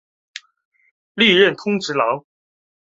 历任通直郎。